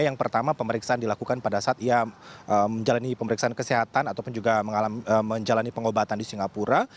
yang pertama pemeriksaan dilakukan pada saat ia menjalani pemeriksaan kesehatan ataupun juga menjalani pengobatan di singapura